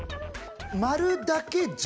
丸だけじゃ。